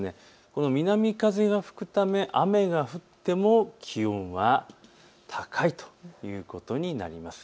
この南風が吹くため雨が降っても気温は高いということになります。